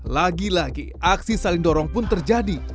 lagi lagi aksi saling dorong pun terjadi